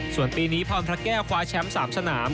ส่วนปีนี้พรพระแก้วคว้าแชมป์๓สนาม